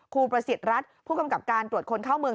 ประสิทธิ์รัฐผู้กำกับการตรวจคนเข้าเมือง